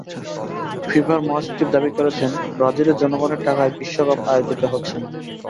ফিফার মহাসচিব দাবি করেছেন, ব্রাজিলের জনগণের টাকায় বিশ্বকাপ আয়োজিত হচ্ছে না।